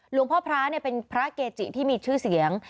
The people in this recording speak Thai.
หลวงพ่อพระเป็นพระเกจิที่มีชื่อเสียง